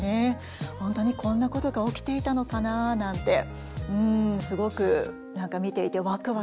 本当にこんなことが起きていたのかななんてすごく何か見ていてワクワクしました。